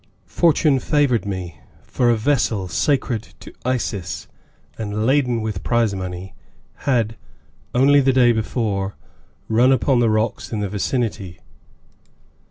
Fortune favored me, as it turned out, for a vessel sacred to Isis and laden with prize money had, only the day before, run upon the rocks in the vicinity.